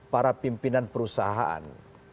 para pimpinan perusahaan